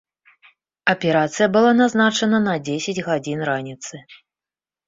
Аперацыя была назначана на дзесяць гадзін раніцы.